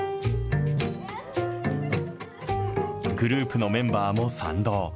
グループのメンバーも賛同。